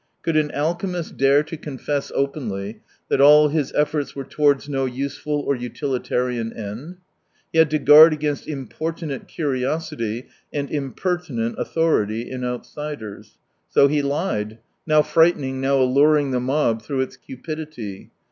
Could an alchemist dare to 228 confess openly that all his eflEorts were towards no useful or utilitarian end ? He had to guard against importunate curiosity and impertinent authority in outsiders. So he lied, now frightening, now alluring the mob through its cupidity.